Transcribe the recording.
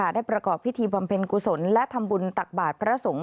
ได้ประกอบพิธีบำเพ็ญกุศลและทำบุญตักบาทพระสงฆ์